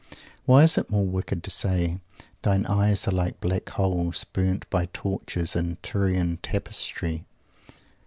Why is it more wicked to say, "Thine eyes are like black holes, burnt by torches in Tyrian tapestry!"